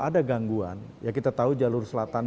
ada gangguan ya kita tahu jalur selatan